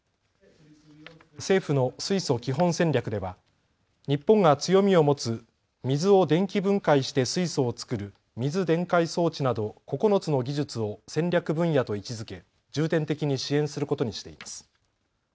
政府の水素基本戦略では日本が強みを持つ水を電気分解して水素を作る水電解装置など９つの技術を戦略分野と位置づけ重点的に支援することにしています。